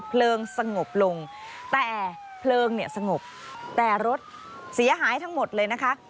เพลิงสงบลงแต่เพลิงเนี่ยสงบแต่รถเสียหายทั้งหมดเลยนะคะ